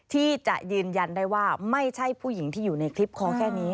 ที่จะยืนยันได้ว่าไม่ใช่ผู้หญิงที่อยู่ในคลิปขอแค่นี้